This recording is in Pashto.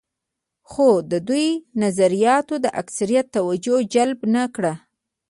خو د دوی نظریاتو د اکثریت توجه جلب نه کړه.